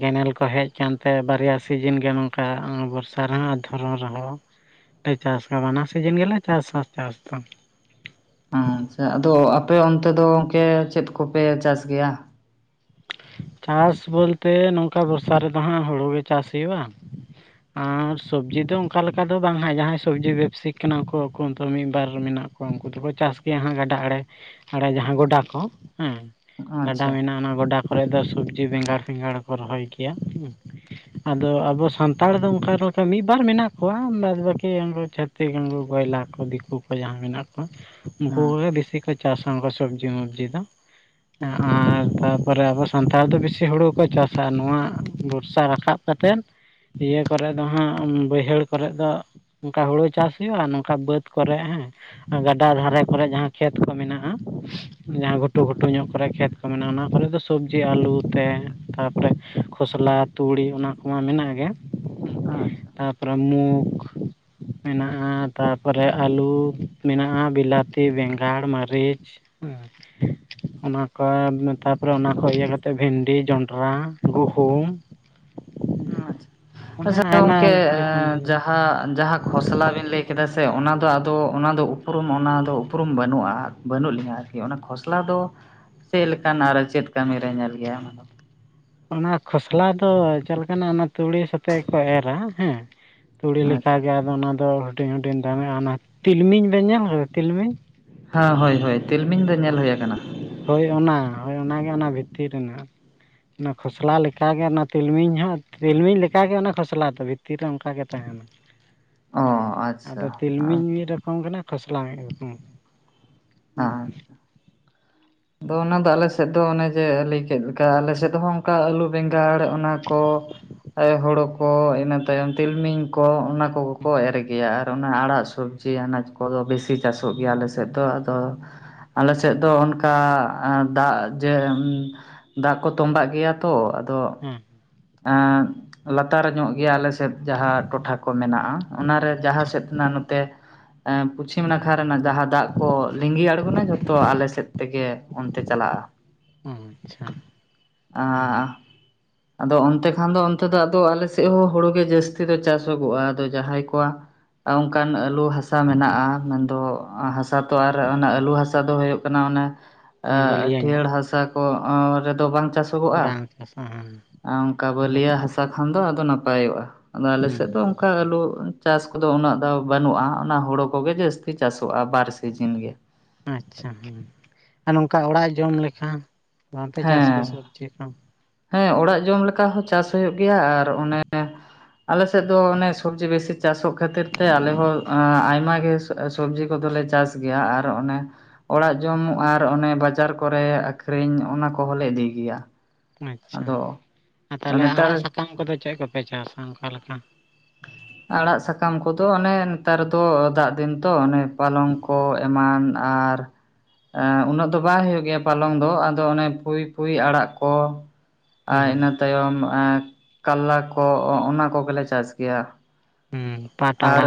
[SPEAKER 2] ᱠᱮᱱᱮᱞ ᱠᱚ ᱦᱮᱡ ᱠᱟᱱᱛᱮ ᱵᱟᱨᱭᱟ ᱥᱤᱡᱤᱱ ᱜᱮ ᱱᱚᱝᱠᱟ ᱵᱚᱨᱥᱟ ᱨᱮᱦᱚᱸ ᱟᱨ ᱫᱷᱚᱨᱚᱱ ᱨᱮᱦᱚᱸ ᱮ ᱪᱟᱥ ᱠᱟᱵᱟ ᱚᱱᱟ ᱵᱟᱱᱟᱨ ᱥᱤᱡᱤᱱ ᱜᱮᱞᱮ ᱪᱟᱥ ᱟ ᱪᱟᱥ ᱫᱚ
[SPEAKER 1] ᱟ ᱟᱪᱪᱷᱟ ᱟᱫᱚ ᱟᱯᱮ ᱚᱱᱛᱮ ᱫᱚ ᱚᱱᱠᱮ ᱪᱮᱫ ᱠᱚᱯᱮ ᱪᱟᱥ ᱜᱮᱭᱟ?
[SPEAKER 2] ᱪᱟᱥ ᱵᱚᱞᱛᱮ ᱱᱚᱝᱠᱟ ᱵᱚᱨᱥᱟ ᱨᱮᱫᱚᱦᱟᱸᱜ ᱦᱩᱲᱩ ᱜᱮ ᱪᱟᱥ ᱦᱩᱭᱩᱜ-ᱟ᱾ ᱟᱨ ᱥᱚᱵᱡᱤ ᱫᱚ ᱚᱱᱠᱟ ᱞᱮᱠᱟ ᱫᱚ ᱵᱟᱝ ᱦᱟᱜ ᱡᱟᱦᱟᱸᱭ ᱥᱚᱵᱡᱤ ᱵᱮᱵᱥᱤ ᱠᱟᱱᱟ ᱠᱚ ᱟᱠᱚ ᱢᱤᱫ ᱵᱟᱨ ᱢᱮᱱᱟᱜ ᱠᱚᱣᱟ ᱩᱱᱠᱩ ᱫᱚᱠᱚ ᱪᱟᱥ ᱜᱮᱭᱟ, ᱦᱟᱸᱜ ᱜᱟᱰᱟ ᱟᱬᱮ ᱟᱲᱮ ᱡᱟᱦᱟᱸ ᱜᱚᱰᱟ ᱠᱚ ᱦᱮᱸ ᱜᱟᱰᱟ
[SPEAKER 1] ᱟᱪᱪᱷᱟ
[SPEAKER 2] ᱢᱮᱱᱟᱜ-ᱟ ᱚᱱᱟ ᱜᱟᱰᱟ ᱠᱚᱨᱮᱜ ᱫᱚ ᱥᱚᱵᱡᱤ ᱵᱮᱸᱜᱟᱲ ᱵᱮᱸᱜᱟᱲ ᱠᱚ ᱨᱚᱦᱚᱭ ᱜᱮᱭᱟ ᱦᱩᱸ ᱟᱫᱚ ᱟᱵᱚ ᱥᱟᱱᱛᱟᱲ ᱫᱚ ᱚᱱᱠᱟ ᱞᱮᱠᱟ ᱢᱤᱫ ᱵᱟᱨ ᱢᱮᱱᱟᱜ ᱠᱚᱣᱟ ᱵᱟᱫ ᱵᱟᱠᱤ ᱩᱱᱠᱩ ᱡᱟ [unintelligible] ᱠᱚᱭᱞᱟ ᱠᱚ ᱫᱤᱠᱩ ᱠᱚ ᱡᱟᱦᱟᱸ ᱢᱮᱱᱟᱜ ᱠᱚᱣᱟ ᱩᱱᱠᱩ
[SPEAKER 1] ᱦᱮᱸ
[SPEAKER 2] ᱠᱚᱜᱮ ᱵᱤᱥᱤ ᱠᱚ ᱪᱟᱥᱟ ᱠᱩ ᱥᱚᱵᱽᱡᱤ ᱢᱚᱵᱡᱤ ᱫᱚ ᱟᱨ ᱛᱟ ᱟᱵᱚ ᱥᱟᱱᱛᱟᱲ ᱫᱚ ᱵᱮᱥᱤ ᱦᱩᱲᱩ ᱠᱚ ᱪᱟᱥᱟ ᱱᱚᱣᱟ ᱵᱚᱨᱥᱟ ᱨᱟᱠᱟᱵ ᱠᱟᱛᱮᱫ ᱤᱭᱟᱹ ᱠᱚᱨᱮ ᱫᱚ ᱦᱟᱸᱜ ᱵᱟᱹᱭᱦᱟᱹᱲ ᱠᱚᱨᱮ ᱫᱚ ᱚᱜᱠᱟ ᱦᱩᱲᱩ ᱪᱟᱥ ᱦᱩᱭᱩᱜ-ᱟ ᱱᱚᱝᱠᱟ ᱵᱟᱹᱫ ᱠᱚᱨᱮ ᱦᱮᱸ ᱜᱟᱰᱟ ᱫᱷᱟᱨᱮ ᱠᱚᱨᱮᱜ ᱡᱟᱦᱟᱸ ᱠᱷᱮᱛ ᱠᱚ ᱢᱮᱱᱟᱜ-ᱟ᱾ ᱡᱟᱦᱟᱸ ᱜᱷᱩᱴᱩ ᱜᱷᱩᱴᱩ ᱧᱚᱜ ᱠᱚᱨᱮ ᱠᱷᱮᱛ ᱠᱚ ᱢᱮᱱᱟᱜ-ᱟ ᱚᱱᱟ ᱠᱚᱨᱮᱫ ᱫᱚ ᱥᱚᱵᱽᱡᱤ ᱟᱞᱩ ᱛᱮ ᱛᱟᱯᱚᱨᱮ ᱠᱷᱚᱥᱞᱟ ᱛᱩᱲᱤ ᱚᱱᱟ ᱠᱚᱢᱟ ᱢᱮᱱᱟᱜ ᱜᱮ
[SPEAKER 1] ᱟᱪᱪᱷᱟ
[SPEAKER 2] ᱯᱟᱨᱟᱢᱩᱠ ᱢᱮᱱᱟᱜ-ᱟ ᱛᱟᱨᱯᱚᱨᱮ ᱟᱹᱞᱩ ᱢᱮᱱᱟᱜ-ᱟ ᱵᱞᱟᱛᱤ ᱵᱮᱸᱜᱟᱲ ᱢᱟᱹᱨᱤᱪ ᱚᱱᱟ ᱠᱚ ᱢᱮᱛᱟᱵ ᱛᱟᱯᱚᱨᱮ ᱚᱱᱟ ᱠᱷᱚᱱ ᱤᱭᱟᱹ ᱠᱟᱛᱮᱫ ᱵᱷᱤᱱᱰᱤ, ᱡᱚᱱᱰᱨᱟ, ᱜᱩᱦᱩᱢ, ᱢᱟᱱᱮ
[SPEAKER 1] ᱟᱪᱪᱷᱟ
[SPEAKER 2] ᱟᱭᱢᱟ
[SPEAKER 1] ᱜᱚᱝᱠᱮ
[SPEAKER 2] ᱞᱮᱠᱟᱱ
[SPEAKER 1] [unintelligible]
[SPEAKER 2] ᱡᱤᱱᱤᱥ
[SPEAKER 1] ᱡᱟᱦᱟᱸ ᱠᱷᱚᱥᱞᱟ ᱵᱤᱱ ᱞᱟᱹᱭ ᱠᱮᱫᱟ ᱥᱮ ᱚᱱᱟ ᱫᱚ ᱟᱫᱚ ᱚᱱᱟ ᱫᱚ ᱩᱯᱨᱩᱢ ᱚᱱᱟᱫᱚ ᱩᱯᱨᱩᱢ ᱵᱟᱹᱱᱩᱜ-ᱟ᱾ ᱵᱟᱹᱱᱩᱜ ᱞᱤᱧᱟᱹ ᱟᱨᱠᱤ ᱚᱱᱟ ᱠᱷᱚᱥᱞᱟ ᱫᱚ ᱪᱮᱫᱠᱟᱱᱟ ᱟᱨ ᱪᱮᱫ ᱠᱟᱹᱢᱤᱮ ᱧᱮᱞ ᱜᱮᱭᱟᱭ
[SPEAKER 2] ᱚᱱᱟ ᱠᱷᱚᱥᱞᱟ ᱫᱚ ᱪᱮᱫ ᱞᱮᱠᱟᱱᱟᱜ ᱚᱱᱟ ᱛᱩᱲᱤ ᱥᱟᱛᱮᱜᱮ ᱠᱚ ᱮᱨᱟ ᱦᱮᱸ ᱛᱩᱲᱤ
[SPEAKER 1] ᱟᱪᱪᱷᱟ
[SPEAKER 2] ᱞᱮᱠᱟᱜᱮ ᱟᱫᱚ ᱚᱱᱟᱫᱚ ᱦᱩᱰᱤᱧ ᱦᱩᱰᱤᱧ ᱫᱟᱢᱮᱜ-ᱟ ᱚᱱᱟ ᱛᱤᱞᱢᱤᱧ ᱵᱮᱱ ᱧᱮᱞ ᱠᱟᱫᱟ ᱛᱤᱞᱢᱤᱧ
[SPEAKER 1] ᱦᱮᱸ ᱦᱳᱭ ᱦᱳᱭ ᱛᱤᱞᱢᱤᱧ ᱫᱚ ᱧᱮᱞ ᱦᱩᱭ ᱟᱠᱟᱱᱟ
[SPEAKER 2] ᱦᱳᱭ ᱚᱱᱟ ᱦᱳᱭ ᱚᱱᱟᱜᱮ ᱚᱱᱟ ᱵᱷᱤᱛᱤᱨ ᱨᱮᱱᱟᱜ ᱚᱱᱟ ᱠᱷᱚᱥᱞᱟ ᱞᱮᱠᱟᱜᱮ ᱚᱱᱟ ᱛᱤᱞᱢᱤᱧ ᱦᱚᱸ ᱛᱤᱞᱢᱤᱧ ᱞᱮᱠᱟᱜᱮ ᱚᱱᱟ ᱠᱷᱚᱥᱞᱟ ᱫᱚ ᱵᱷᱤᱛᱤᱨ ᱨᱮ ᱚᱱᱠᱟᱜᱮ ᱛᱟᱦᱮᱱᱟ᱾
[SPEAKER 1] [inaudible]
[SPEAKER 2] ᱦᱮᱸ ᱟᱫᱚ
[SPEAKER 1] ᱟᱪᱪᱷᱟ
[SPEAKER 2] ᱛᱤᱞᱢᱤᱧ
[SPEAKER 1] ᱟᱪᱪᱷᱟ
[SPEAKER 2] ᱢᱤᱫ ᱨᱚᱠᱚᱢ ᱠᱟᱱᱟ ᱠᱷᱚᱥᱞᱟ ᱢᱤᱫ ᱨᱚᱠᱚᱢ ᱦᱩᱸ
[SPEAKER 1] [inaudible] ᱟᱫᱚ ᱚᱱᱟᱫᱚ ᱟᱞᱮ ᱥᱮᱫ ᱫᱚ ᱚᱱᱮ ᱡᱮ ᱞᱟᱹᱭ ᱠᱮᱫ ᱞᱮᱠᱟ ᱟᱞᱮ ᱥᱮᱫ ᱦᱚᱸ ᱚᱱᱠᱟ ᱟᱹᱞᱩ ᱵᱮᱸᱜᱟᱲ ᱚᱱᱟ ᱠᱚ ᱟᱭᱳ ᱦᱳᱲᱳ ᱠᱚ ᱤᱱᱟᱹ ᱛᱟᱭᱚᱢ ᱛᱤᱞᱢᱤᱧ ᱠᱚ ᱚᱱᱟ ᱚᱱᱟ ᱠᱚ ᱠᱚ ᱮᱨ ᱜᱮᱭᱟ ᱟᱨ ᱚᱱᱟ ᱟᱲᱟᱜ ᱥᱚᱵᱽᱡᱤ ᱟᱱᱟᱡᱽ ᱠᱚᱫᱚ ᱵᱮᱥᱤ ᱪᱟᱥᱚᱜ ᱜᱮᱭᱟ ᱟᱞᱮᱥᱮᱫ ᱫᱚ ᱛᱚ ᱟᱞᱮ ᱥᱮᱫ ᱟᱫᱚ ᱚᱱᱠᱟ ᱫᱟᱜ ᱡᱮ ᱫᱟᱜ ᱠᱚ ᱛᱚᱢᱵᱟᱜ ᱜᱮᱭᱟ ᱛᱚ ᱟᱫᱚ
[SPEAKER 2] ᱦᱮᱸ
[SPEAKER 1] ᱞᱟᱛᱟᱨ ᱧᱚᱜ ᱜᱮᱭᱟ ᱟᱞᱮ ᱥᱮ ᱡᱟᱦᱟᱸ ᱴᱚᱴᱷᱟ ᱠᱚ ᱢᱮᱱᱟᱜ-ᱟ ᱚᱱᱟᱨᱮ ᱡᱟᱦᱟᱸ
[SPEAKER 2] ᱟᱪᱪᱷᱟ
[SPEAKER 1] ᱥᱮᱫ ᱨᱮᱱᱟᱜ ᱱᱚᱛᱮ ᱯᱚᱪᱷᱤᱢ ᱱᱟᱠᱷᱟ ᱨᱮᱱᱟᱜ ᱡᱟᱦᱟᱸ ᱫᱟᱜ ᱠᱚ ᱞᱤᱸᱜᱤ ᱟᱬᱜᱚᱱᱟ ᱡᱷᱚᱛᱚ ᱟᱞᱮ ᱥᱮᱫ ᱛᱮᱜᱮ ᱚᱱᱛᱮ ᱪᱟᱞᱟᱜ-ᱟ
[SPEAKER 2] ᱟᱪᱪᱷᱟ
[SPEAKER 1] ᱟ ᱟᱫᱚ ᱚᱱᱛᱮ ᱠᱷᱟᱱ ᱫᱚ ᱚᱱᱛᱮ ᱫᱚ ᱟᱫᱚ ᱟᱞᱮ ᱥᱮᱫ ᱦᱚᱸ ᱦᱩᱲᱩ ᱜᱮ ᱡᱟᱹᱥᱛᱤ ᱫᱚ ᱪᱟᱥᱚᱜᱚᱜ-ᱟ ᱟᱫᱚ ᱡᱟᱦᱟᱸᱭ ᱠᱚᱣᱟᱜ ᱚᱱᱠᱟᱱ ᱟᱹᱞᱩ ᱦᱟᱥᱟ ᱢᱮᱱᱟᱜ-ᱟ ᱢᱮᱱᱫᱚ ᱦᱟᱥᱟ ᱛᱚ ᱟᱨ ᱚᱱᱟ ᱟᱹᱞᱩ ᱦᱟᱥᱟ ᱫᱚ ᱦᱩᱭᱩᱜ ᱠᱟᱱᱟ ᱚᱱᱮ
[SPEAKER 2] ᱦᱩᱸ ᱵᱟᱹᱞᱤᱭᱟᱹ ᱧᱚᱜ
[SPEAKER 1] ᱟᱹᱴᱷᱤᱭᱟᱹᱲ ᱦᱟᱥᱟ [unintelligible] ᱨᱮᱫᱚ ᱵᱟᱝ ᱪᱟᱥ
[SPEAKER 2] ᱵᱟᱝ ᱪᱟᱥᱚᱜ-ᱟ᱾
[SPEAKER 1] ᱚᱱᱠᱟ ᱵᱟᱹᱞᱤᱭᱟᱹ ᱦᱟᱥᱟ ᱠᱷᱟᱱ ᱫᱚ ᱟᱫᱚ ᱱᱟᱯᱟᱭᱚᱜᱼᱟ ᱟᱫᱚ
[SPEAKER 2] ᱦᱩᱸ
[SPEAKER 1] ᱟᱞᱮᱥᱮᱫ ᱫᱚ ᱚᱱᱠᱟ ᱟᱹᱞᱩ ᱪᱟᱥ ᱠᱚᱫᱚ ᱩᱱᱟᱹᱜ ᱫᱚ ᱵᱟᱹᱱᱩᱜᱼᱟ ᱚᱱᱟ ᱦᱩᱲᱳ ᱠᱚᱜᱮ ᱡᱟᱹᱥᱛᱤ ᱪᱟᱥᱚᱜᱼᱟ ᱵᱟᱨ ᱥᱤᱡᱤᱱ ᱜᱮ᱾
[SPEAKER 2] ᱟᱪᱪᱷᱟ ᱦᱮᱸ ᱟᱨ ᱱᱚᱝᱠᱟ ᱚᱲᱟᱜ ᱡᱚᱢ ᱞᱮᱠᱷᱟᱱ ᱵᱟᱝᱯᱮ ᱪᱟᱥ ᱜᱮᱭᱟ
[SPEAKER 1] ᱦᱮᱸ
[SPEAKER 2] ᱥᱚᱵᱽᱡᱤ ᱠᱚ?
[SPEAKER 1] ᱦᱮᱸ ᱚᱲᱟᱜ ᱡᱚᱢ ᱞᱮᱠᱟ ᱦᱚᱸ ᱪᱟᱥ ᱦᱩᱭᱩᱜ ᱜᱮᱭᱟ ᱟᱨ ᱚᱱᱮ ᱟᱞᱮᱥᱮᱫ ᱫᱚ ᱚᱱᱮ ᱥᱚᱵᱡᱤ ᱵᱮᱥᱤ ᱪᱟᱥᱚᱜ ᱠᱷᱟᱹᱛᱤᱨ ᱛᱮ ᱟᱞᱮ ᱦᱚᱸ ᱟᱭᱢᱟ ᱜᱮ ᱥᱚᱵᱡᱤ ᱠᱚᱫᱚᱞᱮ ᱪᱟᱥ ᱜᱮᱭᱟ ᱟᱨ ᱚᱱᱮ ᱚᱲᱟᱜ ᱡᱚᱢ ᱟᱨ ᱚᱱᱮ ᱵᱟᱡᱟᱨ ᱠᱚᱨᱮ ᱟᱹᱠᱷᱨᱤᱧ ᱚᱱᱟ ᱠᱚᱦᱚᱸᱞᱮ ᱤᱫᱤ ᱜᱮᱭᱟ᱾
[SPEAKER 2] ᱟᱪᱪᱷᱟ
[SPEAKER 1] ᱟᱫᱚ
[SPEAKER 2] ᱟᱨ ᱛᱟᱦᱚᱞᱮ ᱟᱲᱟᱜ
[SPEAKER 1] ᱱᱮᱛᱟᱨ
[SPEAKER 2] ᱥᱟᱠᱟᱢ ᱠᱚᱫᱚ ᱪᱮᱫ ᱠᱚᱯᱮ ᱪᱟᱥᱟ ᱚᱱᱠᱟ ᱞᱮᱠᱟ?
[SPEAKER 1] ᱟᱲᱟᱜ ᱥᱟᱠᱟᱢ ᱠᱚᱫᱚ ᱚᱱᱮ ᱱᱮᱛᱟᱨ ᱫᱚ ᱫᱟᱜ ᱫᱤᱱ ᱛᱚ ᱚᱱᱮ ᱯᱟᱞᱚᱝ ᱠᱚ ᱮᱢᱟᱱ ᱟᱨ ᱩᱱᱟᱹᱜ ᱫᱚ ᱵᱟᱭ ᱦᱩᱭᱩᱜ ᱜᱮᱭᱟ ᱯᱟᱞᱚᱝ ᱫᱚ ᱟᱫᱚ ᱚᱱᱮ ᱯᱩᱭ ᱯᱩᱭ ᱟᱲᱟᱜ ᱠᱚ ᱟᱨ
[SPEAKER 2] ᱦᱩᱸ
[SPEAKER 1] ᱤᱱᱟᱹ ᱛᱟᱭᱚᱢ ᱠᱟᱞᱞᱟ ᱠᱚ ᱚᱱᱟ ᱠᱚᱜᱮᱞᱮ ᱪᱟᱥ ᱜᱮᱭᱟ᱾
[SPEAKER 2] ᱦᱮᱸ
[SPEAKER 1] ᱟᱨ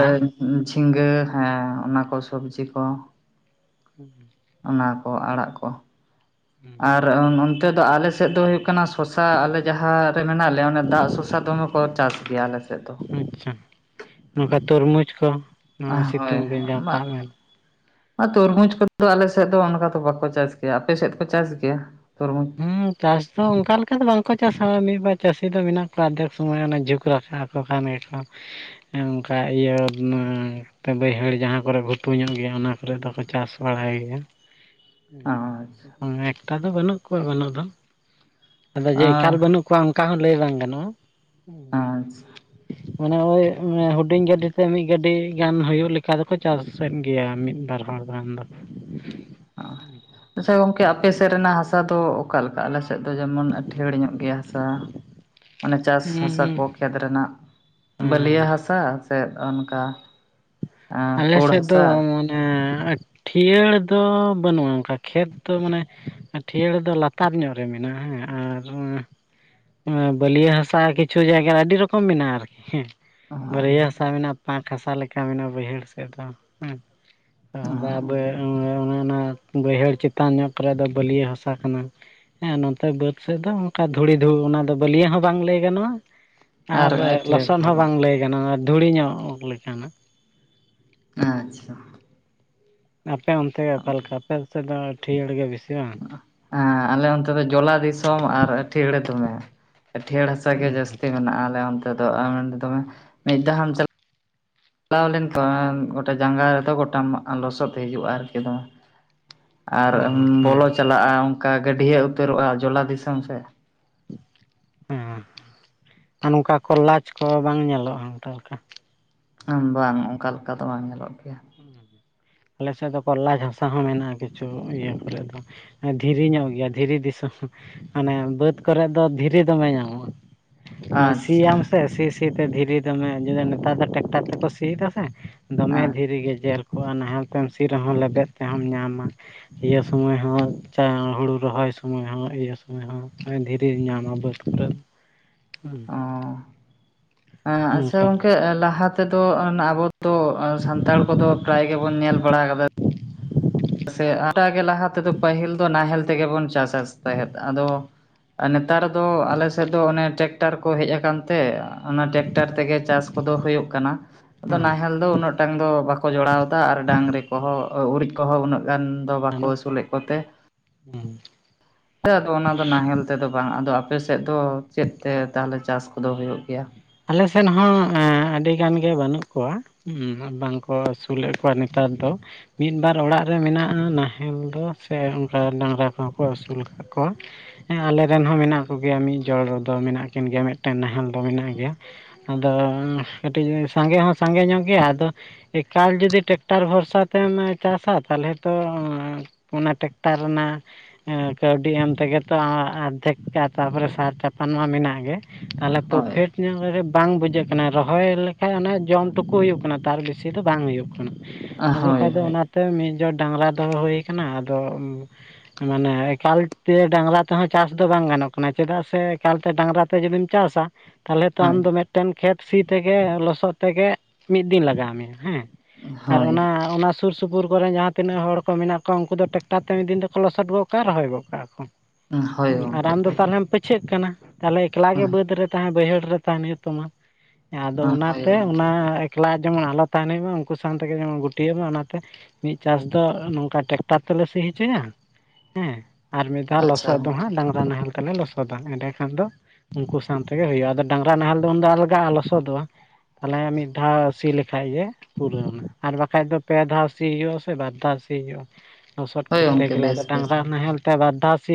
[SPEAKER 1] ᱡᱷᱤᱸᱜᱟᱹ ᱦᱮᱸ ᱚᱱᱟ ᱠᱚ ᱥᱚᱵᱡᱤ ᱠᱚ᱾
[SPEAKER 2] ᱦᱩᱸ
[SPEAKER 1] ᱚᱱᱟ ᱠᱚ ᱟᱲᱟᱜ ᱠᱚ᱾ ᱟᱨ
[SPEAKER 2] ᱦᱩᱸ
[SPEAKER 1] ᱚᱱᱛᱮ ᱫᱚ ᱟᱞᱮ ᱥᱮᱫ ᱫᱚ ᱦᱩᱭᱩᱜ ᱠᱟᱱᱟ ᱥᱚᱥᱟ ᱟᱞᱮ ᱡᱟᱦᱟᱸ ᱨᱮ ᱢᱮᱱᱟᱜ ᱞᱮᱭᱟ ᱚᱱᱮ ᱫᱟᱜ ᱥᱚᱥᱟ ᱫᱚᱢᱮ ᱠᱚ ᱪᱟᱥ ᱜᱮᱭᱟ ᱟᱞᱮᱥᱮᱜ ᱫᱚ᱾
[SPEAKER 2] ᱟᱪᱪᱷᱟ ᱱᱚᱝᱠᱟ ᱛᱚᱨᱢᱩᱡᱽ ᱠᱚ ᱱᱚᱣᱟ
[SPEAKER 1] ᱦᱳᱭ
[SPEAKER 2] ᱥᱤᱛᱩᱝ ᱫᱤᱱ ᱡᱟᱦᱟᱸ ᱛᱟᱵ ᱮᱱ?
[SPEAKER 1] ᱟᱨ ᱛᱚᱨᱢᱩᱡᱽ ᱠᱚᱫᱚ ᱟᱞᱮᱥᱮᱜ ᱫᱚ ᱚᱱᱠᱟ ᱫᱚ ᱵᱟᱠᱚ ᱪᱟᱥ ᱜᱮᱭᱟ ᱟᱯᱮ ᱥᱮᱫ ᱠᱚ ᱪᱟᱥ ᱜᱮᱭᱟ ᱛᱚᱨᱢᱩᱡᱽ?
[SPEAKER 2] ᱪᱟᱥ ᱫᱚ ᱚᱱᱠᱟ ᱞᱮᱠᱟ ᱫᱚ ᱵᱟᱝᱠᱚ ᱪᱟᱥᱟ ᱢᱤᱫ ᱵᱟᱨ ᱪᱟᱹᱥᱤ ᱫᱚ ᱢᱮᱱᱟᱜ ᱠᱚᱣᱟ ᱟᱨᱫᱷᱮᱠ ᱥᱚᱢᱚᱭ ᱚᱱᱟ ᱡᱷᱩᱠᱽ ᱨᱟᱠᱟᱵ ᱠᱚ ᱠᱟᱱ ᱜᱮᱠᱚ ᱚᱱᱠᱟ ᱤᱭᱟᱹ ᱵᱟᱹᱭᱦᱟᱹᱲ ᱡᱟᱦᱟᱸ ᱠᱚᱨᱮ ᱜᱷᱩᱴᱩ ᱧᱚᱜ ᱜᱮᱭᱟ ᱚᱱᱟ ᱠᱚᱨᱮ ᱫᱚᱠᱚ ᱪᱟᱥ ᱵᱟᱲᱟᱭ ᱜᱮᱭᱟ᱾
[SPEAKER 1] ᱟᱪᱪᱷᱟ
[SPEAKER 2] ᱫᱚᱢᱮ ᱮᱠᱴᱟ ᱫᱚ ᱵᱟᱹᱱᱩᱜ ᱠᱚᱣᱟ ᱵᱟᱹᱱᱩᱜ ᱫᱚ ᱟᱫᱚ ᱡᱮ ᱮᱠᱟᱞ
[SPEAKER 1] ᱟᱪᱪᱷᱟ
[SPEAKER 2] ᱵᱟᱹᱱᱩᱜ ᱠᱚᱣᱟ ᱠᱚᱣᱟ ᱚᱱᱠᱟ ᱦᱚᱸ ᱞᱟᱹᱭ ᱵᱟᱝ ᱜᱟᱱᱚᱜᱼᱟ᱾
[SPEAKER 1] ᱟᱪᱪᱷᱟ
[SPEAKER 2] ᱢᱟᱱᱮ ᱳᱭ ᱦᱩᱰᱤᱧ ᱜᱟᱹᱰᱤᱛᱮ ᱢᱤᱫ ᱜᱟᱹᱰᱤ ᱜᱟᱱ ᱦᱩᱭᱩᱜ ᱞᱮᱠᱟ ᱫᱚᱠᱚ ᱪᱟᱥ ᱩᱥᱟᱹᱫ ᱜᱮᱭᱟ ᱢᱤᱫ ᱵᱟᱨ ᱦᱚᱲ ᱨᱮᱱ ᱫᱚ᱾
[SPEAKER 1] ᱟᱪᱪᱷᱟ ᱜᱚᱝᱠᱮ ᱟᱯᱮ ᱥᱮᱫ ᱨᱮᱱᱟᱜ ᱦᱟᱥᱟ ᱫᱚ ᱚᱠᱟᱞᱮᱠᱟ? ᱟᱞᱮ [unintelligible] ᱫᱚ ᱡᱮᱢᱚᱱ ᱟᱹᱴᱷᱟᱹᱲ ᱧᱚᱜ ᱜᱮᱭᱟ ᱦᱟᱥᱟ ᱢᱟᱱᱮ ᱪᱟᱥ
[SPEAKER 2] ᱦᱩᱸ
[SPEAKER 1] ᱦᱟᱥᱟ
[SPEAKER 2] ᱦᱩᱸ
[SPEAKER 1] ᱠᱚ ᱠᱷᱮᱛ ᱨᱮᱱᱟᱜ ᱵᱟᱹᱞᱤᱭᱟᱹ ᱦᱟᱥᱟ ᱥᱮᱫ ᱚᱱᱠᱟ
[SPEAKER 2] ᱟᱞᱮ
[SPEAKER 1] ᱯᱳᱲ
[SPEAKER 2] ᱥᱮᱫ ᱫᱚ
[SPEAKER 1] ᱦᱟᱥᱟ
[SPEAKER 2] ᱢᱟᱱᱮ ᱴᱷᱤᱭᱟᱹᱲ ᱫᱚ ᱵᱟᱹᱱᱩᱜᱼᱟ ᱚᱱᱠᱟ ᱠᱷᱮᱛ ᱫᱚ ᱢᱟᱱᱮ ᱟᱹᱴᱷᱤᱭᱟᱹᱟᱹᱲ ᱫᱚ ᱞᱟᱛᱟᱨ ᱧᱚᱜᱨᱮ ᱢᱮᱱᱟᱜᱼᱟ ᱦᱮᱸ ᱟᱨ ᱵᱟᱹᱞᱭᱟᱹ ᱦᱟᱥᱟ ᱠᱤᱪᱷᱩ ᱡᱟᱭᱜᱟ ᱟᱹᱰᱤ ᱨᱚᱠᱚᱢ ᱢᱮᱱᱟᱜᱼᱟ ᱟᱨᱠᱤ ᱦᱮᱸ᱾ ᱵᱟᱹᱞᱭᱟᱹ ᱦᱟᱥᱟ ᱢᱮᱱᱟᱜᱼᱟ ᱯᱟᱸᱠ ᱦᱟᱥᱟ ᱞᱮᱠᱟ ᱢᱮᱱᱟᱜᱼᱟ ᱵᱟᱹᱭᱦᱟᱹᱲ ᱥᱮᱫ ᱫᱚ ᱦᱮᱸ᱾ [unintelligible]
[SPEAKER 1] [inaudible]
[SPEAKER 2] ᱵᱟᱹᱭᱦᱟᱹᱲ ᱪᱮᱛᱟᱱ ᱧᱚᱜ ᱠᱚᱨᱮ ᱫᱚ ᱵᱟᱹᱞᱭᱟᱹ ᱦᱟᱥᱟ ᱠᱟᱱᱟ᱾ ᱦᱮᱸ ᱱᱚᱛᱮ ᱵᱟᱹᱫᱽ ᱥᱮᱡ ᱫᱚ ᱚᱱᱠᱟ ᱫᱷᱩᱲᱤ ᱫᱷᱩᱲ ᱚᱱᱟ ᱫᱚ ᱵᱟᱹᱞᱭᱟᱹ ᱦᱚᱸ ᱵᱟᱝ ᱞᱟᱹᱭ ᱜᱟᱱᱚᱜᱼᱟ ᱟᱨ ᱞᱚᱥᱚᱫ ᱦᱚᱸ ᱵᱟᱝ ᱞᱟᱹᱭ ᱜᱟᱱᱚᱜᱼᱟ ᱫᱷᱩᱲᱤ ᱧᱚᱜ ᱞᱮᱠᱟᱱᱟᱜ᱾
[SPEAKER 1] ᱟᱪᱪᱷᱟ
[SPEAKER 2] ᱟᱯᱮ ᱚᱱᱛᱮ ᱜᱮ ᱚᱠᱟᱞᱮᱠᱟ ᱟᱯᱮ ᱥᱮᱫ ᱫᱚ ᱟᱹᱴᱷᱤᱭᱟᱹᱲ ᱜᱮ ᱵᱮᱥᱤ ᱵᱟᱝ?
[SPEAKER 1] ᱦᱮᱸ ᱟᱞᱮ ᱚᱱᱛᱮ ᱫᱚ ᱡᱚᱞᱟ ᱫᱤᱥᱚᱢ ᱟᱨ ᱟᱹᱴᱷᱤᱭᱟᱹᱲᱟ ᱫᱚᱢᱮ᱾ ᱟᱴᱷᱤᱭᱟᱹᱲ ᱦᱟᱥᱟ ᱜᱮ ᱡᱟᱹᱥᱛᱤ ᱢᱮᱱᱟᱜᱼᱟ ᱟᱞᱮ ᱚᱱᱛᱮ ᱫᱚ ᱫᱚᱢᱮ ᱢᱤᱫ ᱫᱷᱟᱢ ᱪᱟᱞᱟᱜᱼᱟ ᱪᱟᱞᱟᱣ ᱞᱮᱱᱠᱷᱟᱱ ᱡᱟᱸᱜᱟ ᱨᱮᱫᱚ ᱜᱚᱴᱟᱢ ᱞᱚᱥᱚᱫ ᱦᱤᱡᱩᱜᱼᱟ ᱟᱨᱠᱤ ᱫᱚᱢ ᱟᱨ
[SPEAKER 2] ᱚ
[SPEAKER 1] ᱩᱢᱻᱵᱚᱞᱚ
[SPEAKER 2] ᱦᱮᱸ
[SPEAKER 1] ᱪᱟᱞᱟᱜᱼᱟ ᱚᱱᱠᱟ ᱜᱟᱹᱰᱭᱟᱹ ᱩᱛᱟᱹᱨᱚᱜᱼᱟ ᱡᱚᱞᱟ ᱫᱤᱥᱚᱢ ᱥᱮ
[SPEAKER 2] ᱦᱮᱸ ᱟᱨ ᱱᱚᱝᱠᱟ ᱠᱚ ᱞᱟᱪ ᱠᱚ ᱵᱟᱝ ᱧᱮᱞᱚᱜᱼᱟ ᱚᱱᱠᱟ ᱞᱮᱠᱟ
[SPEAKER 1] ᱵᱟᱝ ᱚᱝᱠᱟ ᱞᱮᱠᱟ ᱫᱚ ᱵᱟᱝ ᱧᱮᱞᱚᱜ ᱜᱮᱭᱟ
[SPEAKER 2] ᱟᱞᱮ ᱥᱮᱫ ᱫᱚ ᱠᱚᱨᱞᱟᱡ ᱷᱟᱥᱟ ᱦᱚᱸ ᱢᱮᱱᱟᱜᱼᱟ ᱠᱤᱪᱷᱩ ᱤᱭᱟᱹ ᱠᱚᱨᱮᱫ ᱫᱚ ᱫᱷᱤᱨᱤ ᱧᱚᱜ ᱜᱮᱭᱟ ᱫᱷᱤᱨᱤ ᱫᱤᱥᱚᱢ ᱢᱟᱱᱮ ᱵᱟᱹᱫ ᱠᱚᱨᱮᱜ ᱫᱚ ᱫᱷᱤᱨᱤ ᱫᱚᱢᱮ ᱧᱟᱢᱚᱜᱼᱟ ᱥᱤ
[SPEAKER 1] ᱟᱪᱪᱷᱟ
[SPEAKER 2] ᱭᱟᱢ ᱥᱮ ᱥᱤ ᱥᱤ ᱛᱮ ᱫᱷᱤᱨᱤ ᱫᱚᱢᱮ ᱱᱮᱛᱟᱨ ᱫᱚ ᱴᱮᱟᱠᱴᱟᱨ ᱛᱮᱠᱚ ᱥᱤ ᱫᱟᱥᱮ ᱫᱚᱢᱮ
[SPEAKER 1] ᱟᱪᱪᱷᱟ
[SPEAKER 2] ᱫᱷᱤᱨᱤ ᱜᱮ ᱡᱮᱨ ᱠᱚᱜᱼᱟ ᱱᱟᱦᱮᱞ ᱛᱮᱢ ᱥᱤ ᱨᱮᱦᱚᱸ ᱞᱮᱵᱮᱫ ᱛᱮᱦᱚᱢ ᱧᱟᱢᱟ ᱤᱭᱟ ᱥᱩᱢᱚᱹᱭ ᱦᱚᱸ ᱪᱟ ᱦᱩᱲᱩ ᱨᱚᱦᱚᱭ ᱥᱩᱢᱚᱭ ᱦᱚᱸ ᱤᱭᱟ ᱥᱩᱢᱟᱹᱭ ᱦᱚᱸ ᱫᱷᱤᱨᱤ ᱧᱟᱢᱟ ᱵᱟᱹᱫᱽ ᱠᱚᱨᱮ
[SPEAKER 1] [inaudible]
[SPEAKER 2] ᱩᱩᱸ
[SPEAKER 1] ᱟᱪᱷᱟ ᱜᱚᱝᱠᱮ ᱞᱟᱦᱟ ᱛᱮᱫᱚ ᱟᱵᱚ ᱛᱚ ᱥᱟᱱᱛᱟᱲ ᱠᱚᱫᱚ ᱯᱨᱟᱭ ᱜᱮᱵᱚᱱ ᱧᱮᱞ ᱵᱟᱲᱟ ᱟᱠᱟᱫᱟ ᱪᱮᱫᱟᱜ [inaudible] ᱥᱮ ᱜᱚᱴᱟᱜᱮ ᱞᱟᱦᱟ ᱛᱮᱫᱚ ᱯᱟᱹᱦᱤᱞ ᱫᱚ ᱱᱟᱦᱮᱞ ᱛᱮᱜᱮ ᱵᱚᱱ ᱪᱟᱥᱟᱥ ᱛᱟᱦᱮᱸᱫ ᱟᱫᱚ ᱟ ᱱᱮᱛᱟᱨ ᱫᱚ ᱟᱞᱮ ᱥᱮᱫ ᱫᱚ ᱚᱱᱮ ᱴᱮᱠᱴᱟᱨ ᱠᱚ ᱦᱮᱡ ᱟᱠᱟᱱ ᱛᱮ ᱚᱱᱟ ᱴᱮᱠᱴᱟᱨ ᱛᱮᱜᱮ ᱪᱟᱥ ᱠᱚᱫᱚ ᱦᱳᱭᱳᱜ ᱠᱟᱱᱟ ᱟᱫᱚ ᱱᱟᱦᱮᱞ ᱫᱚ ᱩᱱᱟᱹᱜᱴᱟᱝ ᱫᱚ ᱵᱟᱠᱚ ᱡᱚᱲᱟᱣᱫᱟ ᱟᱨ ᱰᱟᱹᱝᱨᱤ ᱠᱚᱦᱚᱸ ᱩᱨᱤᱡ ᱠᱚ ᱦᱚᱸ ᱩᱱᱟᱹᱜ ᱜᱟᱱ ᱫᱚ ᱵᱟᱠᱚ
[SPEAKER 2] ᱟᱫᱚ
[SPEAKER 1] ᱟᱹᱥᱩᱞᱮᱫ ᱠᱚᱛᱮ ᱟᱫᱚ ᱚᱱᱟ ᱫᱚ ᱱᱟᱦᱮᱞ ᱱᱚᱛᱮ ᱫᱚ ᱵᱟᱝ ᱟᱫᱚ ᱟᱯᱮ ᱥᱮᱫ ᱫᱚ ᱪᱮᱫ ᱛᱮ ᱛᱟᱦᱚᱞᱮ ᱪᱟᱥ ᱠᱚᱫᱚ ᱦᱳᱭᱳᱜ ᱜᱮᱭᱟ
[SPEAKER 2] ᱟᱞᱮ ᱥᱮᱱ ᱦᱚᱸ ᱟᱹᱰᱤ ᱜᱟᱱ ᱜᱮ ᱵᱟᱹᱱᱩᱜ ᱠᱚᱣᱟ ᱦᱩ ᱵᱟᱝᱠᱚ ᱟᱹᱥᱩᱞᱮᱫ ᱠᱚᱣᱟ ᱱᱮᱛᱟᱨ ᱫᱚ ᱢᱤᱫ ᱵᱟᱨ ᱚᱲᱟᱜ ᱨᱮ ᱢᱮᱱᱟᱜᱼᱟ ᱱᱟᱦᱮᱞ ᱫᱚ ᱥᱮ ᱚᱱᱠᱟ ᱰᱟᱝᱨᱟ ᱠᱚᱦᱚᱸ ᱠᱚ ᱟᱹᱥᱩᱞ ᱟᱠᱟᱜ ᱠᱚ [inaudible] ᱦᱮᱸ ᱟᱞᱮᱨᱮ ᱨᱮᱱ ᱦᱚᱸ ᱢᱮᱱᱟᱜ ᱠᱚᱜᱮᱭᱟ ᱢᱤᱫ ᱡᱚᱲ ᱨᱮᱫᱚ ᱢᱮᱱᱟᱜ ᱠᱤᱱ ᱜᱮᱭᱟ ᱢᱤᱫᱴᱮᱱ ᱱᱟᱦᱮᱞ ᱫᱚ ᱢᱮᱱᱟᱜ ᱜᱮᱭᱟ ᱟᱫᱚ ᱠᱟᱹᱴᱤᱡ ᱥᱟᱸᱜᱮ ᱦᱚᱸ ᱥᱟᱸᱜᱮ ᱧᱚᱜ ᱜᱮᱭᱟ ᱟᱫᱚ ᱮᱠᱟᱞ ᱡᱩᱚᱫᱤ ᱴᱮᱠᱴᱟᱨ ᱵᱷᱚᱨᱥᱟ ᱛᱮᱢᱮ ᱪᱟᱥᱟ ᱛᱟᱞᱦᱮ ᱛᱚ ᱚᱱᱟ ᱴᱮᱠᱴᱟᱨ ᱨᱮᱱᱟᱜ ᱮᱜ ᱠᱟᱹᱣᱰᱤ ᱮᱢ ᱛᱮᱜᱮ ᱛᱚ ᱟᱢ ᱟᱫᱷᱮᱠ ᱛᱟᱯᱚᱨᱮ ᱥᱟᱨ ᱪᱟᱯᱟᱱ ᱢᱟ ᱢᱮᱱᱟᱜ ᱜᱮ ᱛᱟᱦᱞᱮ
[SPEAKER 1] ᱦᱳᱭ
[SPEAKER 2] ᱯᱳᱯᱮᱷᱴ ᱨᱮ ᱵᱟᱝ ᱵᱩᱡᱷᱟᱹᱜ ᱠᱟᱱᱟ ᱨᱚᱦᱚᱭ ᱞᱮᱠᱷᱟᱡ ᱚᱱᱟ ᱡᱚᱢ ᱴᱩᱠᱩ ᱦᱩᱭᱩᱜ ᱠᱟᱱᱟ ᱛᱟᱨ ᱵᱤᱥᱤ ᱫᱚ ᱵᱟᱝ ᱦᱩᱭᱩᱜ ᱠᱟᱱᱟ ᱟᱫᱚ
[SPEAKER 1] ᱦᱳᱭ
[SPEAKER 2] ᱠᱷᱟᱡ ᱫᱚ
[SPEAKER 1] ᱦᱳᱭ
[SPEAKER 2] ᱚᱱᱟᱛᱮ ᱢᱤᱫ ᱡᱚᱨ ᱰᱟᱝᱨᱟ ᱫᱚᱦᱚ ᱦᱳᱭ ᱠᱟᱱᱟ ᱟᱫᱚ ᱢᱟᱱᱮ ᱮᱠᱟᱞᱛᱮ ᱰᱟᱝᱨᱟ ᱛᱮᱦᱚᱸ ᱪᱟᱥ ᱫᱚ ᱵᱟᱝ ᱜᱟᱱᱚᱜ ᱠᱟᱱᱟ ᱪᱮᱫᱟᱜ ᱥᱮ ᱮᱠᱟᱞ ᱛᱮ ᱰᱟᱝᱨᱟ ᱛᱮ ᱡᱩᱫᱤᱢ ᱪᱟᱥᱟ ᱛᱟᱦᱚᱞᱮ ᱛᱚ
[SPEAKER 1] ᱦᱳᱭ
[SPEAKER 2] ᱟᱢ ᱫᱚ ᱢᱮᱫᱴᱮᱱ ᱠᱷᱮᱛ ᱥᱤ ᱛᱮᱜᱮ ᱞᱚᱥᱚᱫ ᱛᱮᱜᱮ ᱢᱤᱫ ᱫᱤᱱ ᱞᱟᱜᱟᱣ ᱢᱮᱭᱟ ᱦᱮᱸ ᱟᱨ
[SPEAKER 1] ᱦᱳᱭ
[SPEAKER 2] ᱚᱱᱟ ᱚᱱᱟ ᱥᱩᱨ ᱥᱩᱯᱩᱨ ᱠᱚᱨᱮᱱ ᱡᱟᱦᱟᱸ ᱛᱤᱱᱟᱹᱜ ᱦᱚᱲ ᱠᱚ ᱢᱮᱱᱟᱜ ᱠᱚᱣᱟ ᱩᱱᱠᱩ ᱫᱚ ᱴᱮᱟᱠᱴᱟᱨ ᱛᱮ ᱢᱤᱫ ᱫᱤᱱ ᱛᱮᱠᱚ ᱞᱚᱥᱚᱫ ᱜᱚᱫ ᱠᱟᱜᱼᱟ ᱨᱚᱦᱚᱭ ᱜᱚᱫ ᱠᱟᱜᱼᱟ ᱠᱚ
[SPEAKER 1] ᱦᱳᱭ
[SPEAKER 2] ᱩ‌ ᱟᱨ
[SPEAKER 1] ᱜᱚᱢᱠᱮ
[SPEAKER 2] ᱟᱢ ᱫᱚ ᱛᱟᱞᱦᱮᱢ ᱯᱟᱹᱪᱷᱟᱹᱜ ᱠᱟᱱᱟ ᱛᱟᱞᱦᱮ ᱮᱠᱞᱟ ᱜᱮ
[SPEAKER 1] ᱦᱳᱭ
[SPEAKER 2] ᱵᱟᱹᱫᱽ ᱨᱮ ᱛᱟᱦᱮᱸ ᱵᱟᱹᱭᱦᱟᱹᱲ ᱛᱟᱦᱮᱱ ᱦᱩᱭᱩᱜ ᱛᱟᱢᱟ ᱟᱫᱚ
[SPEAKER 1] ᱦᱳᱭ
[SPEAKER 2] ᱚᱱᱟᱛᱮ
[SPEAKER 1] ᱜᱚᱢᱠᱮ
[SPEAKER 2] ᱚᱱᱟ ᱮᱠᱞᱟ ᱡᱮᱢᱚᱱ ᱟᱞᱚ ᱛᱟᱦᱮᱱ ᱦᱩᱭᱩᱜ ᱢᱟ ᱩᱱᱠᱩ ᱥᱟᱶᱛᱮ ᱜᱮ ᱡᱮᱢᱚᱱ ᱜᱩᱴᱤᱭᱟᱹᱜ ᱢᱟ ᱚᱱᱟᱛᱮ ᱢᱤᱫ ᱪᱟᱥ ᱫᱚ ᱱᱚᱝᱠᱟ ᱴᱮᱟᱠᱴᱟᱨ ᱛᱮᱞᱮ ᱥᱤ ᱦᱚᱪᱚᱭᱟ ᱦᱮᱸ ᱟᱨ ᱢᱤᱫ ᱫᱷᱟᱣ
[SPEAKER 1] ᱟᱪᱪᱷᱟ
[SPEAKER 2] ᱞᱚᱥᱚᱫ ᱫᱚ
[SPEAKER 1] ᱜᱚᱢᱠᱮ
[SPEAKER 2] ᱦᱟᱸᱜ ᱰᱟᱝᱨᱟ ᱱᱟᱦᱮᱞ ᱛᱮᱞᱮ ᱞᱚᱥᱚᱫᱟ ᱮᱸᱰᱮ ᱠᱷᱟᱱ ᱫᱚ ᱩᱱᱠᱩ ᱥᱟᱶᱛᱮ ᱜᱮ ᱦᱩᱭᱩᱜᱼᱟ ᱰᱟᱝᱨᱟ ᱱᱟᱦᱮᱞ ᱫᱚ ᱩᱱᱫᱚ ᱟᱞᱜᱟᱜᱼᱟ ᱞᱚᱥᱚᱫᱚᱜᱼᱟ ᱛᱟᱦᱚᱞᱮ ᱢᱤᱫ ᱫᱷᱟᱣ ᱥᱤ ᱞᱮᱠᱷᱟᱡ ᱜᱮ ᱯᱩᱨᱟᱹᱣᱱᱟ ᱟᱨ ᱵᱟᱠᱷᱟᱡ ᱫᱚ ᱯᱮ ᱫᱷᱟᱣ ᱥᱤ ᱦᱳᱭᱳᱟ ᱥᱮ ᱵᱟᱨ ᱫᱷᱟᱣ ᱥᱤ ᱦᱳᱭᱳᱼᱟ ᱞᱚᱥᱚᱴ
[SPEAKER 1] ᱦᱳᱭ
[SPEAKER 2] ᱠᱚᱨᱛᱮ
[SPEAKER 1] ᱜᱚᱢᱠᱮ
[SPEAKER 2] ᱜᱮᱞᱮ ᱟᱫᱚ
[SPEAKER 1] ᱵᱮᱥ ᱵᱮᱥ
[SPEAKER 2] ᱰᱟᱝᱨᱟ ᱱᱟᱦᱮᱞ ᱛᱮ ᱵᱟᱨ ᱫᱷᱟᱹᱣ ᱥᱤ